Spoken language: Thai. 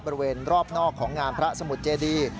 บริเวณรอบนอกของงานพระสมุทรเจดี